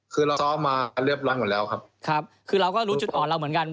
คือเราซ้อมมาเรียบร้อยหมดแล้วครับครับคือเราก็รู้จุดอ่อนเราเหมือนกัน